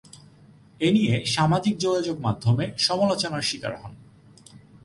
এ নিয়ে সামাজিক যোগাযোগ মাধ্যমে সমালোচনার শিকার হন।